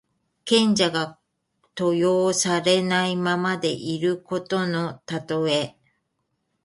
賢者が登用されないままでいることのたとえ。